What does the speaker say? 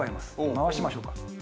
回しましょうか。